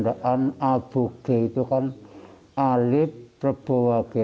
dan penandaan abogai adalah penandaan alif berboh wage